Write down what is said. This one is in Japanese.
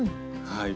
はい。